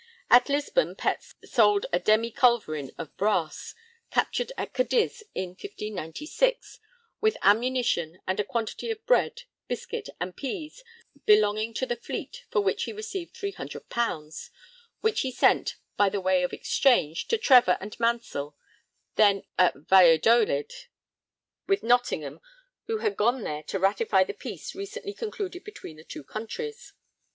At Lisbon Pett sold a demi culverin of brass, captured at Cadiz in 1596, with ammunition and a quantity of bread, biscuit, and peas belonging to the fleet, for which he received 300_l._, which he sent, 'by the way of exchange,' to Trevor and Mansell, then at Valladolid with Nottingham, who had gone there to ratify the peace recently concluded between the two countries.